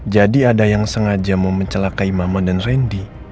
jadi ada yang sengaja memencelakai mama dan randy